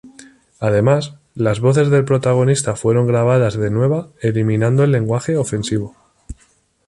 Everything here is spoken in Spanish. Además, las voces del protagonista fueron grabadas de nueva eliminando el lenguaje ofensivo.